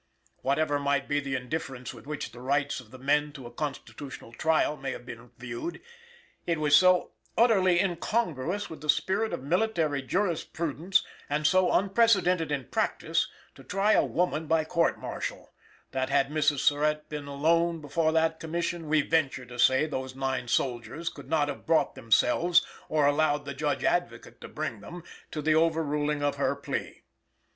Whatever might be the indifference with which the rights of the men to a constitutional trial may have been viewed, it was so utterly incongruous with the spirit of military jurisprudence and so unprecedented in practice to try a woman by court martial, that had Mrs. Surratt been alone before that Commission we venture to say those nine soldiers could not have brought themselves, or allowed the Judge Advocate to bring them, to the overruling of her plea.